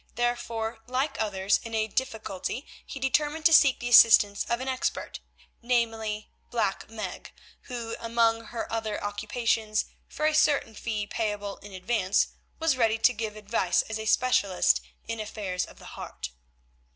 Therefore, like others in a difficulty, he determined to seek the assistance of an expert, namely, Black Meg, who, among her other occupations, for a certain fee payable in advance, was ready to give advice as a specialist in affairs of the heart.